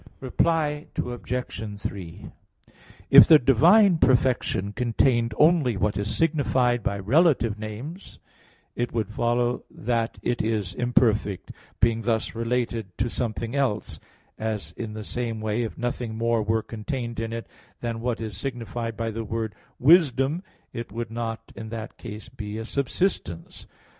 Reply Obj. 3: If the divine perfection contained only what is signified by relative names, it would follow that it is imperfect, being thus related to something else; as in the same way, if nothing more were contained in it than what is signified by the word "wisdom," it would not in that case be a subsistence.